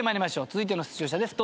続いての出場者です。